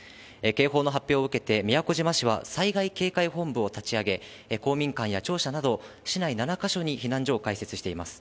警報の発表を受けて、宮古島市は災害警戒本部を立ち上げ、公民館や庁舎など、市内７か所に避難所を開設しています。